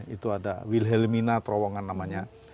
itu ada wilhelmina terowongan namanya